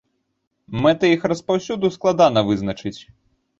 Мэты іх распаўсюду складана вызначыць.